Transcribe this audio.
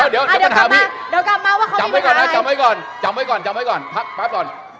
เดี๋ยวกลับมาว่าเขามีปัญหาอะไร